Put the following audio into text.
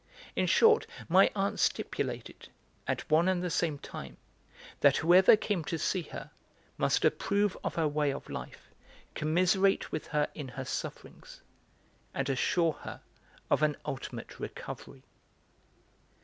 In short, my aunt stipulated, at one and the same time, that whoever came to see her must approve of her way of life, commiserate with her in her sufferings, and assure her of an ultimate recovery.